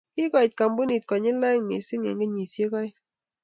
Kikoet kampunit konyil aeng mising eng kenyisiek aeng